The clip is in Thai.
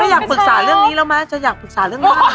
ไม่อยากปรึกษาเรื่องนี้แล้วมั้ยจะอยากปรึกษาเรื่องนี้แล้วมั้ย